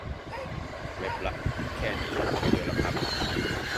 เว็บละ แค่นี้ก็เยอะแล้วครับ